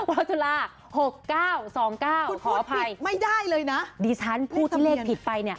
ราชุลาหกเก้าสองเก้าขออภัยไม่ได้เลยนะดิฉันพูดที่เลขผิดไปเนี้ย